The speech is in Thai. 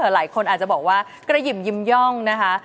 หลายคนอาจจะบอกว่ากระหยิ่มยิ้มย่องนะคะ